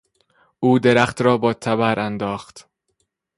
او درخت را با تبر انداخت.